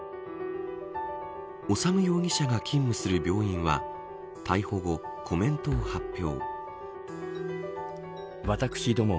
修容疑者が勤務する病院は逮捕後、コメントを発表。